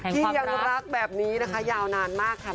ที่ยังรักแบบนี้นะคะยาวนานมากค่ะ